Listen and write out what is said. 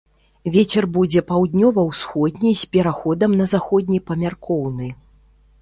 Вецер будзе паўднёва-ўсходні з пераходам на заходні памяркоўны.